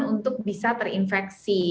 untuk bisa terinfeksi